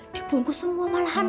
dipungkus semua malahan